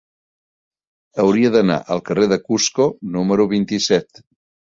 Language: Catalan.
Hauria d'anar al carrer de Cusco número vint-i-set.